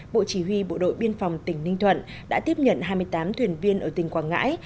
bộ chỉ huy bộ đội biên phòng tỉnh ninh thuận đã tiếp nhận hai mươi tám thuyền viên ở tỉnh quảng ngãi